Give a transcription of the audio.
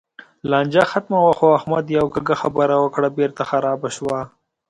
لانجه ختمه وه؛ خو احمد یوه کږه خبره وکړه، بېرته خرابه شوه.